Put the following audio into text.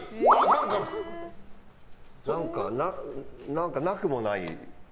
何か、なくもない。